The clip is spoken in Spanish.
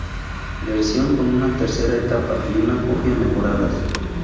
Versión con una tercera etapa y una cofia mejoradas.